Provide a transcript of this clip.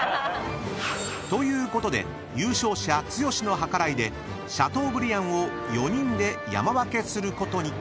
［ということで優勝者剛の計らいでシャトーブリアンを４人で山分けすることに］